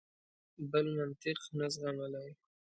بل منطق نه زغملای.